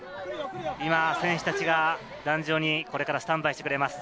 選手たちが壇上にこれからスタンバイしてくれます。